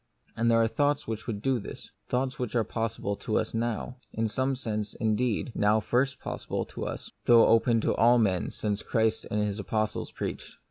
And there are thoughts which would do this ; thoughts which are possible to us now : in some sense, indeed, now first possible to us, though open to all men since Christ and His apostles preached.